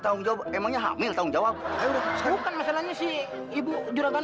tanggung jawab emangnya hamil tanggung jawab ayo kan masalahnya sih ibu juragan